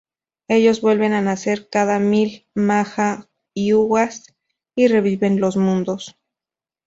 Ellos vuelven a nacer cada mil "maja-iugas" y reviven los mundos.